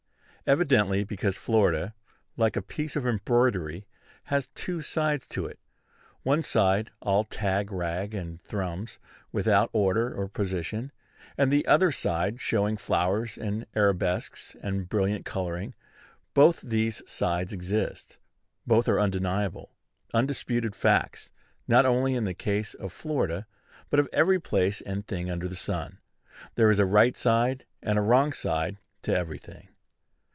Evidently because Florida, like a piece of embroidery, has two sides to it, one side all tag rag and thrums, without order or position; and the other side showing flowers and arabesques and brilliant coloring. Both these sides exist. Both are undeniable, undisputed facts, not only in the case of Florida, but of every place and thing under the sun. There is a right side and a wrong side to every thing.